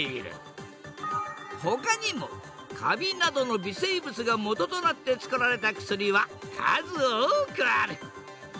ほかにもカビなどの微生物がもととなってつくられた薬は数多くある。